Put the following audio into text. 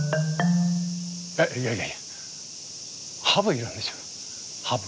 いやいやいやハブいるんでしょうハブ。